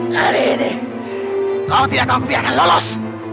hari ini kau tidak akan membiarkan lulus